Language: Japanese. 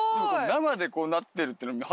生でこうなってるっていうの。